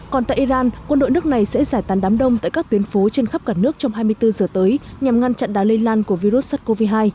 còn tại iran quân đội nước này sẽ giải tàn đám đông tại các tuyến phố trên khắp cả nước trong hai mươi bốn giờ tới nhằm ngăn chặn đá lây lan của virus sars cov hai